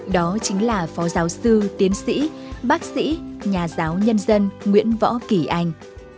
đó chính là phó giáo sư tiến sĩ bác sĩ nhà giáo nhân dân nguyễn võ kỳ anh